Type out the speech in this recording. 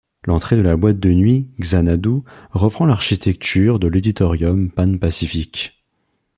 L'entrée de la boîte de nuit Xanadu reprend l'architecture de l'Auditorium Pan-Pacific.